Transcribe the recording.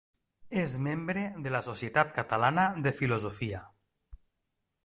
És membre de la Societat Catalana de Filosofia.